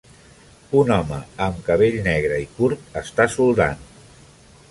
Un home amb cabell negre i curt està soldant.